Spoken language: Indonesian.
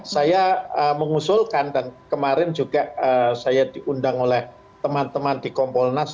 saya mengusulkan dan kemarin juga saya diundang oleh teman teman di kompolnas